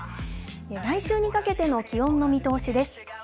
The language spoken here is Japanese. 来週にかけての気温の見通しです。